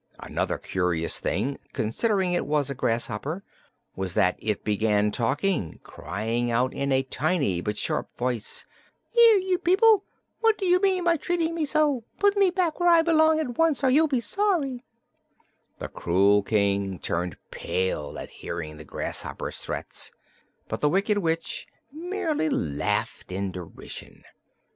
Another curious thing considering it was a grasshopper was that it began talking, crying out in a tiny but sharp voice: "Here you people! What do you mean by treating me so? Put me back where I belong, at once, or you'll be sorry!" The cruel King turned pale at hearing the grasshopper's threats, but the Wicked Witch merely laughed in derision.